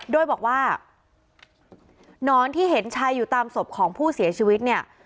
โดยบอกว่าหนอนที่เห็นชัยอยู่ตามศพของผู้เสียชีวิตเนี่ย